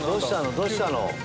どうしたの？